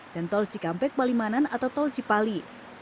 dan tol cikampek balimanan atau tol cipali